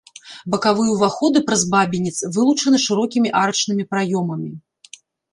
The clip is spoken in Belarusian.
Бакавыя ўваходы праз бабінец вылучаны шырокімі арачнымі праёмамі.